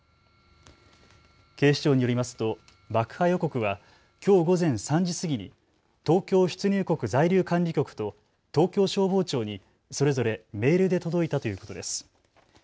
警視庁によりますと爆破予告はきょう午前３時過ぎに東京出入国在留管理局と東京消防庁にそれぞれメールで届いたということです。